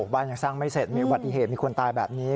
บ้านยังสร้างไม่เสร็จมีอุบัติเหตุมีคนตายแบบนี้